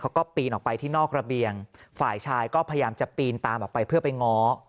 ปีนออกไปที่นอกระเบียงฝ่ายชายก็พยายามจะปีนตามออกไปเพื่อไปง้อ